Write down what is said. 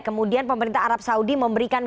kemudian pemerintah arab saudi memberikan